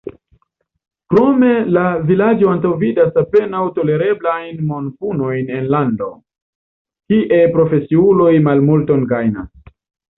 Krome la leĝo antaŭvidas apenaŭ tolereblajn monpunojn en lando, kie profesiuloj malmulton gajnas.